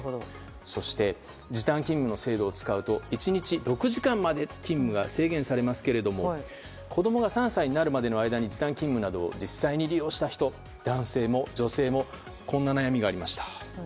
そして、時短勤務の制度を使うと１日６時間まで勤務が制限されますが子供が３歳になるまでの間に時短勤務を実際に利用した人、男性も女性もこんな悩みがありました。